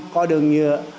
có đường nhựa